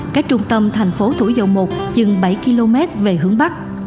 chừng bảy km về hướng bắc